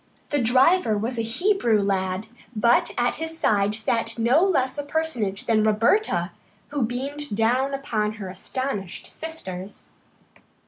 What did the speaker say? The driver was a Hebrew lad, but at his side sat no less a personage than Roberta, who beamed down upon her astonished sisters.